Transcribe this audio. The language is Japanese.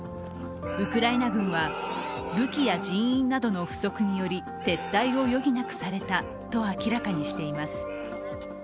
ウクライナ軍は武器や人員などの不足により撤退を余儀なくされたと明らかにしています。